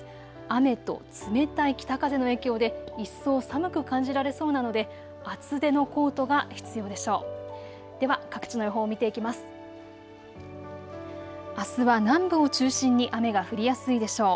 雨と冷たい北風の影響で一層寒く感じられそうなので厚手のコートが必要でしょう。